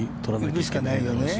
行くしかないよね。